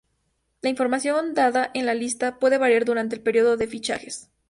La información dada en la lista, puede variar durante el período de fichajes.